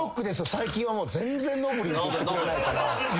最近はもう全然ノブりんって言ってくれないから。